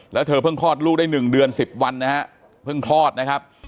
แล้วเธอเพิ่งคลอดลูกได้๑เดือน๑๐วันนะฮะเพิ่งคลอดนะครับ